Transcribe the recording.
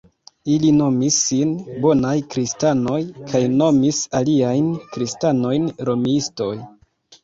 Ili nomis sin "Bonaj Kristanoj" kaj nomis aliajn kristanojn "Romiistoj".